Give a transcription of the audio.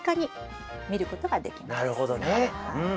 なるほどねうん。